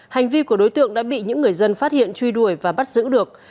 hành vi của đối tượng đã bị những người dân phát hiện truy đuổi và bắt giữ được